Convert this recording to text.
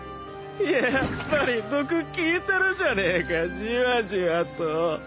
やっぱり毒効いてるじゃねえかじわじわと。